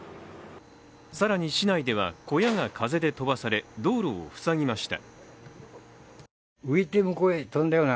更に市内では小屋が風で飛ばされ道路を塞ぎました。